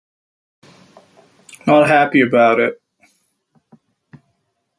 Not happy about it.